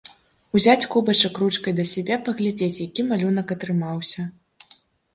Узяць кубачак ручкай да сябе, паглядзець, які малюнак атрымаўся.